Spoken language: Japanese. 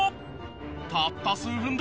たった数分で。